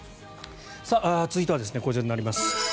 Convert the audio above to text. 続いては、こちらになります。